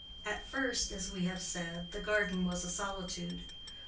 At first, as we have said, the garden was a solitude.